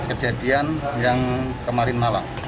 kejadian yang kemarin malam